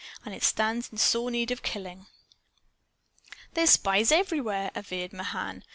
And it stands in sore need of killing." "There's spies everywhere," averred Mahan.